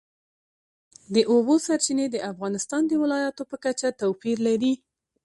د اوبو سرچینې د افغانستان د ولایاتو په کچه توپیر لري.